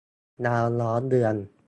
ดาวล้อมเดือน